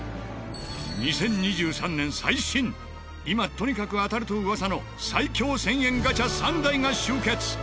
２０２３年最新今とにかく当たると噂の最強１０００円ガチャ３台が集結。